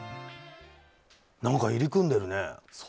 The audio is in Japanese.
何か入り組んでるね。